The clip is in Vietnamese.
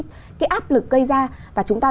cái áp lực gây ra và chúng ta